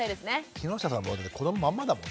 木下さんもだって子どもまんまだもんね。